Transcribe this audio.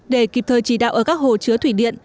để kịp thời chỉ đạo ở các hồ chứa thủy điện